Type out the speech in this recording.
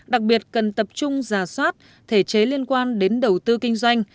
đặc biệt cần tập trung giả soát thể chế liên quan đến đầu tư kinh doanh